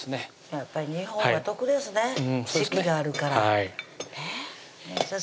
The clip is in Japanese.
やっぱり日本は得ですね四季があるから先生